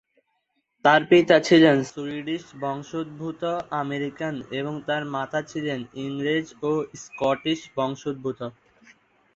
তাঁর পিতা ছিলেন সুইডিশ বংশোদ্ভূত আমেরিকান এবং তাঁর মাতা ছিলেন ইংরেজ ও স্কটিশ বংশোদ্ভূত।